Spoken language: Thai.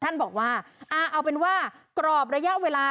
ท่านบอกว่าเอาเป็นว่ากรอบระยะเวลา